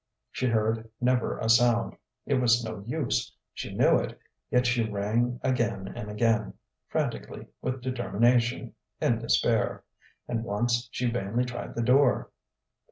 She heard never a sound. It was no use she knew it yet she rang again and again, frantically, with determination, in despair. And once she vainly tried the door.